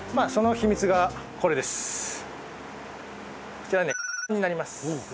こちらはねになります。